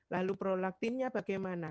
lalu prolaktinnya bagaimana